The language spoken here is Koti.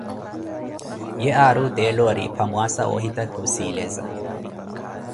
We aari weettela oripha mwaasa wa ohitakhi osileza.